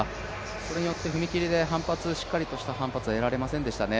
それによって踏み切りでしっかりとした反発を得られませんでしたね。